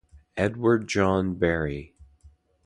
Edward John Bury.